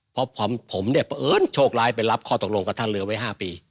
เพราะผมเนี่ยประเอิญโชคร้ายไปรับข้อตกลงกับท่านเรือไว้๕ปี